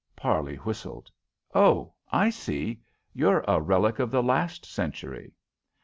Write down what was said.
Parley whistled. "Oh, I see! You're a relic of the last century!"